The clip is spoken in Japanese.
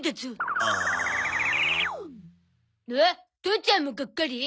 父ちゃんもがっかり？